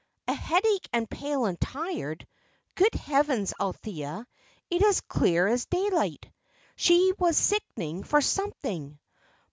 "A headache and pale and tired! Good heavens, Althea, it is clear as daylight! She was sickening for something."